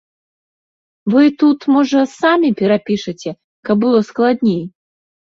Вы тут, можа, самі перапішаце, каб было складней.